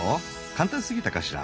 簡単すぎたかしら？